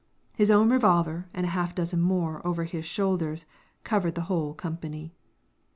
His own revolver and half a dozen more over his shoulders covered the whole company.